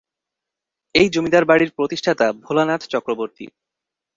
এই জমিদার বাড়ির প্রতিষ্ঠাতা ভোলানাথ চক্রবর্তী।